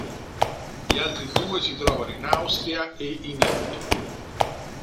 Gli altri due si trovano in Austria e in India.